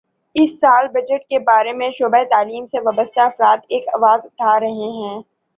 اس سال بجٹ کے بارے میں شعبہ تعلیم سے وابستہ افراد ایک آواز اٹھا رہے ہیں